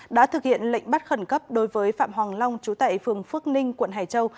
đã thực hiện lệnh bắt khẩn cấp đối với phạm hoàng long trú tại phường phước ninh quận hải châu